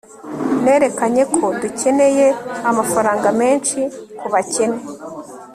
Nerekanye ko dukeneye amafaranga menshi kubakene